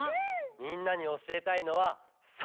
みんなにおしえたいのはサンバ！